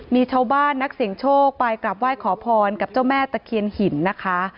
มีชาวบ้านนักเสียงโชคไปกลับไหว้ขอพรกับเจ้าแม่ตะเคียนหินนะคะ